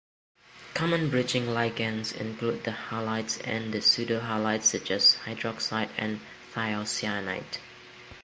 Common bridging ligands include the halides and the pseudohalides such as hydroxide and thiocyanate.